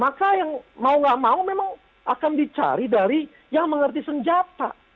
maka yang mau gak mau memang akan dicari dari yang mengerti senjata